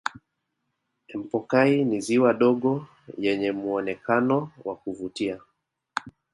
empokai ni ziwa dogo yenye muonekano wa kuvutia